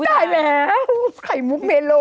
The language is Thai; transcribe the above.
อุ้ย้ได้แล้วเฮ้ยไข่มุกเวโร